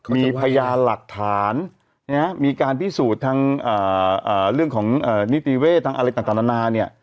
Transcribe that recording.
มีพยานหลักฐานมีการพิสูจน์ทางเรื่องของนิติเวศทางอะไรต่างนานาเนี่ย